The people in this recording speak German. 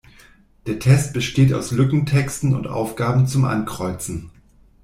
Der Test besteht aus Lückentexten und Aufgaben zum Ankreuzen.